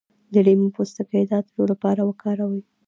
د لیمو پوستکی د عطر لپاره وکاروئ